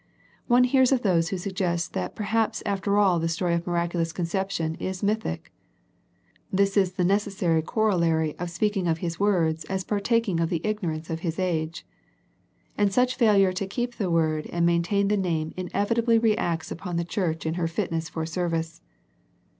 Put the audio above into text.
One hears of those who suggest that perhaps after all the story of miraculous conception is mythic. This is the necessary corollary of speaking of His words as partaking of the ignorance of His age. And such failure to keep the word and maintain the name inevitably reacts upon the Church in her fitness for service.